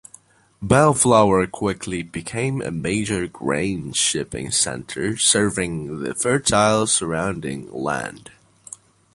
Bellflower quickly became a major grain shipping center serving the fertile surrounding land.